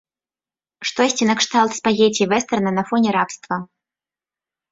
Штосьці накшталт спагецці-вестэрна на фоне рабства.